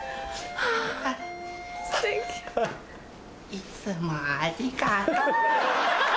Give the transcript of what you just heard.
いつもありがとう。